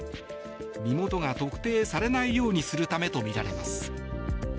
身元が特定されないようにするためとみられます。